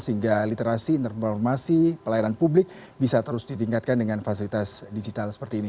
sehingga literasi informasi pelayanan publik bisa terus ditingkatkan dengan fasilitas digital seperti ini